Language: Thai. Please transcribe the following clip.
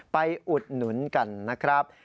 อุดหนุนกันนะครับ